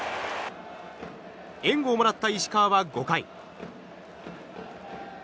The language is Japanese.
援護をもらった石川は５回。